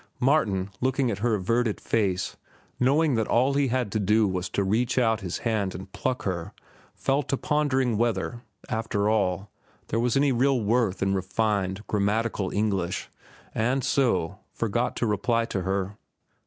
Martin looking at her averted face, knowing that all he had to do was to reach out his hand and pluck her, fell to pondering whether, after all, there was any real worth in refined, grammatical English, and, so, forgot to reply to her.